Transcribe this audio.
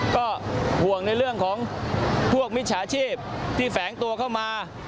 ก็ห่วงในเรื่องของพวกมิจฉาชีพที่แฝงตัวเข้ามา